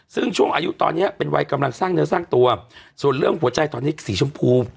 ซึ่งช่วงอายุตอนนี้เป็นวัยกำลังสร้างเนื้อสร้างตัวส่วนเรื่องหัวใจตอนนี้สีชมพู